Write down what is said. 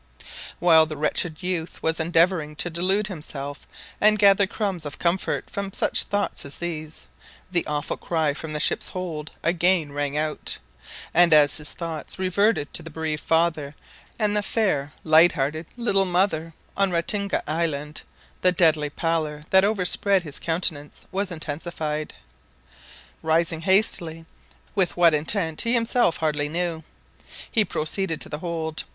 While the wretched youth was endeavouring to delude himself and gather crumbs of comfort from such thoughts as these, the awful cry from the ship's hold again rang out, and as his thoughts reverted to the bereaved father, and the fair, light hearted little mother on Ratinga Island, the deadly pallor that overspread his countenance was intensified. Rising hastily with what intent he himself hardly knew he proceeded to the hold.